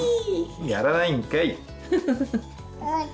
やらないんかい。